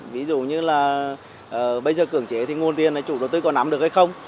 ví dụ như là bây giờ cưỡng chế thì nguồn tiền là chủ đầu tư có nắm được hay không